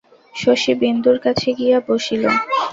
শশী বিন্দুর কাছে গিয়া বসিল।